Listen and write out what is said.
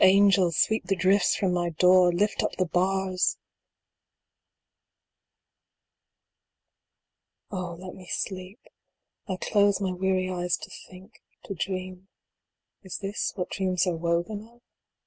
angels ! sweep the drifts from my door ! lift up the bars ! V. Oh, let me sleep. 1 close my weary eyes to think to dream. Is this what dreams are woven of?